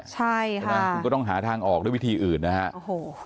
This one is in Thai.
ใช่ค่ะคุณก็ต้องหาทางออกด้วยวิธีอื่นนะฮะโอ้โห